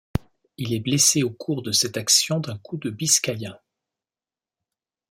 Il est blessé au cours de cette action d’un coup de biscaïen.